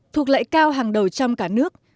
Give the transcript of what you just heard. thuộc lệ cao hàng đầu trong cả nước